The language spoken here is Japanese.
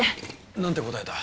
なんて答えた？